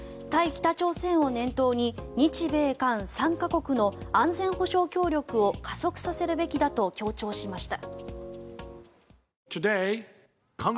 北朝鮮を念頭に日米韓３か国の安全保障協力を加速させるべきだと強調しました。